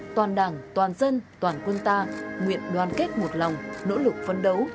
toàn đảng toàn dân toàn quân ta nguyện đoàn kết một lòng nỗ lực phấn đấu